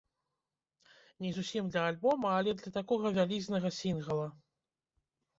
Не зусім для альбома, але для такога вялізнага сінгала.